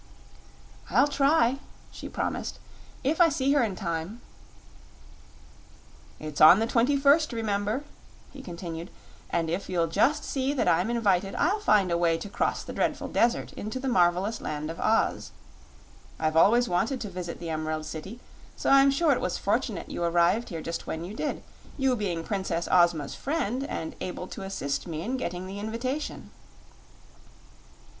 "I'll try," she promised; "if I see her in time." "It's on the twenty first, remember," he continued; "and if you'll just see that I'm invited I'll find a way to cross the Dreadful Desert into the marvelous Land of Oz. I've always wanted to visit the Emerald City, so I'm sure it was fortunate you arrived here just when you did, you being Princess Ozma's friend and able to assist me in getting the invitation."